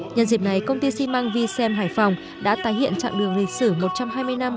nhân dịp này công ty xi măng vi xem hải phòng đã tái hiện trạng đường lịch sử một trăm hai mươi năm